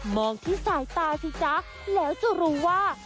งที่สายตาสิจ๊ะแล้วจะรู้ว่า